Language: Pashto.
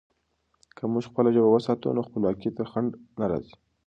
که موږ خپله ژبه وساتو، نو خپلواکي ته خنډ نه راځي.